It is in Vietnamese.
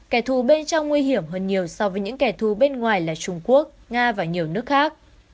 kẻ thù bên trong nguy hiểm hơn nhiều so với những kẻ thù bên ngoài là trung quốc nga và nhiều nước khác